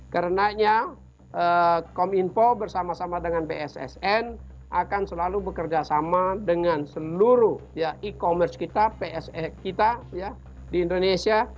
karenanya kominfo bersama sama dengan bssn akan selalu bekerja sama dengan seluruh e commerce kita pse kita di indonesia